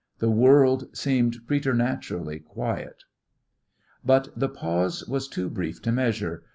The world seemed preternaturally quiet. But the pause was too brief to measure.